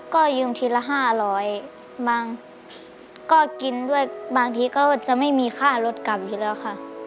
ก็ยืมทีละ๕๐๐บางก็กินด้วยบางทีก็จะไม่มีค่ารถกลับอยู่แล้วค่ะ